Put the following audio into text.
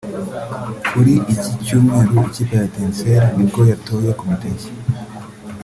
Kuri iki Cyumweru ikipe ya Etincelles ni bwo yatoye komite nshya